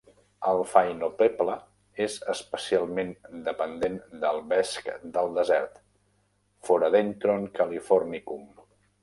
El phainopepla és especialment dependent del vesc del desert, "Phoradendron californicum".